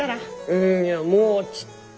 うんにゃもうちっと。